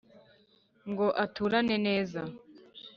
Ngo aturane neza